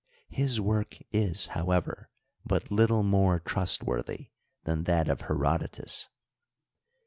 His work is, however, but little more trustworthy tnan that of Herodotus.